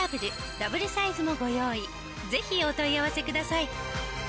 ぜひお問い合わせください。